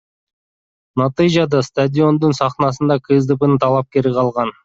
Натыйжада стадиондун сахнасында КСДПнын талапкери калган.